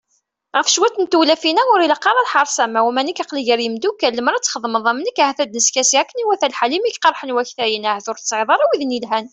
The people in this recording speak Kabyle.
Ɣef cwiṭ n tewlafin-a, ur ilaq ara lḥerṣ am wa, uma nekk aql-i gar yimeddukal, lemmer ad d-txedmeḍ am nekk, ahat ad neskasi akken iwata lḥal, imi k-qerḥen waktayen ahat ur tesɛiḍ ara widen yelhan ?